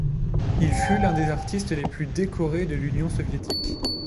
Il fut l'un des artistes les plus décorés de l'Union soviétique.